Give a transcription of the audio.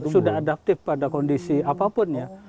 sudah adaptif pada kondisi apapun ya